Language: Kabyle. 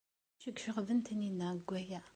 D acu ay iceɣben Taninna deg waya?